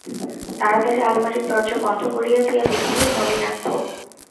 তাড়াতাড়ি আলমারির দরজা বন্ধ করিয়া দিয়া দেখিল, নলিনাক্ষ।